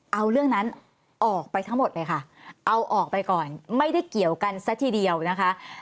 เอาเรื่องนั้นออกไปทั้งหมดเลยค่ะเอาออกไปก่อนไม่ได้เกี่ยวกันซะทีเดียวนะคะ